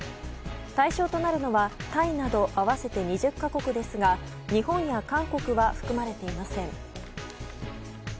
対象となるのはタイなど合わせて２０か国ですが日本や韓国は含まれていません。